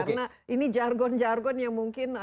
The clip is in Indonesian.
karena ini jargon jargon yang mungkin